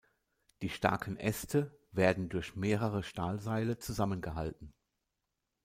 Die starken Äste werden durch mehrere Stahlseile zusammengehalten.